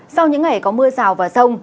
sau những ngày có mưa rào và rông